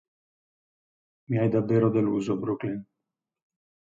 Mi hai davvero deluso, Brooklyn".